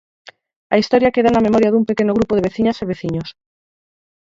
A historia queda na memoria dun pequeno grupo de veciñas e veciños.